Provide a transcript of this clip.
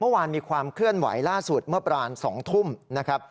เมื่อวานมีความเคลื่อนไหวล่าสุดเมื่อประมาณ๒ทุ่มนะครับ